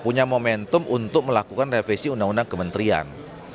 punya momentum untuk melakukan revisi undang undang kementerian